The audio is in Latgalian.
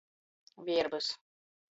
Vierbys.